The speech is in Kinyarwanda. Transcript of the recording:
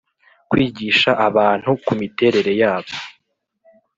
kwigisha abantu ku miterere yabo